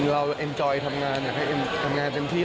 เราชอบทำงานเพื่อทำงานเต็มที่